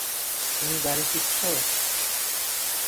তুমি বাড়ি ফিরছো?